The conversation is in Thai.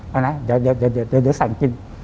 เอานะเดี๋ยวสั่งกิน